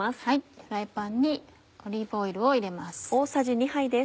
フライパンにオリーブオイルを入れます。